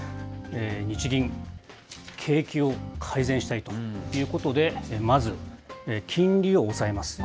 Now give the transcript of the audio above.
日銀、景気を改善したいということで、まず金利を抑えます。